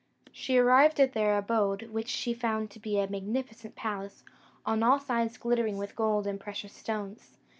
She arrived at their abode, which she found to be a magnificent palace, on all sides glittering with gold and precious stones.